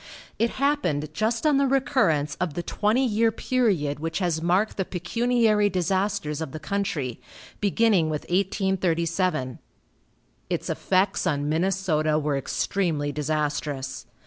It happened just on the recurrence of the twenty year period which has marked the pecuniary disasters of the country, beginning with 1837. Its effects on Minnesota were extremely disastrous.